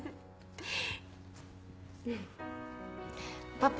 パパ。